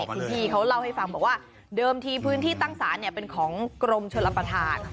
อีกที่ที่เขาเล่าให้ฟังว่าเดิมทีพื้นที่ตั้งสารเป็นของกรมชลปฐาน